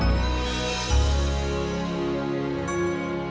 assalamualaikum warahmatullahi wabarakatuh